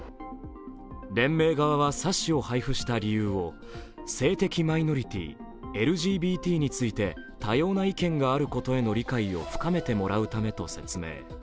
連盟側は冊子を配布した理由を性的マイノリティーＬＧＢＴについて多様な意見があることへの理解を深めてもらうためと説明。